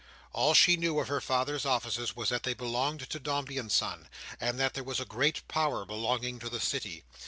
All she knew of her father's offices was that they belonged to Dombey and Son, and that that was a great power belonging to the City.